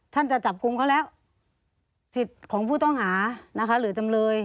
จะจับกลุ่มเขาแล้วสิทธิ์ของผู้ต้องหานะคะหรือจำเลย